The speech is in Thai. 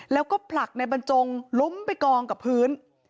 แล้วก็ผลักในบรรจงล้มไปกองกับพื้น